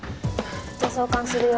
じゃあ挿管するよ。